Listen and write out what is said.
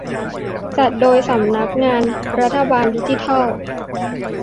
จัดโดยสำนักงานรัฐบาลดิจิทัล